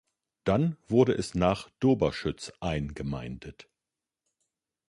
Dann wurde es nach Doberschütz eingemeindet.